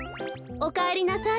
おかえりなさい。